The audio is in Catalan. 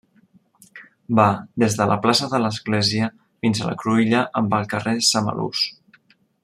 Va des de la plaça de l'església fins a la cruïlla amb el carrer Samalús.